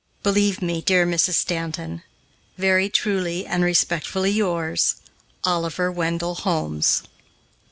"Believe me, dear Mrs. Stanton, "Very Truly and Respectfully Yours, "OLIVER WENDELL HOLMES."